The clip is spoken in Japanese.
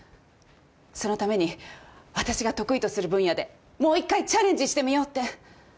そのためにあたしが得意とする分野でもう一回チャレンジしてみようって。